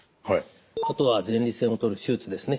あとは前立腺を取る手術ですね。